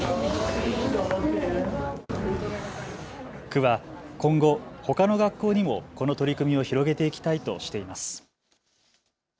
区は今後、ほかの学校にもこの取り組みを広げていきたいとしています。